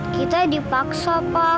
kita dipaksa pak